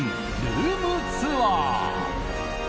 ルームツアー！